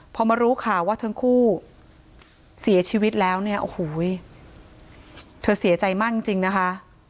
พอมารู้ข่าวว่าทั้งคู่เสียชีวิตแล้วเนี่ยโอ้โหเธอเสียใจมากจริงนะคะ